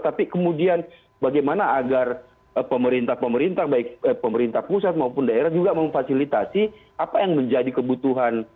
tapi kemudian bagaimana agar pemerintah pemerintah baik pemerintah pusat maupun daerah juga memfasilitasi apa yang menjadi kebutuhan